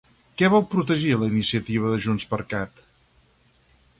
Què vol protegir la iniciativa de JxCat?